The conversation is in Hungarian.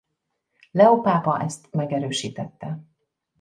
Leó pápa ezt megerősítette.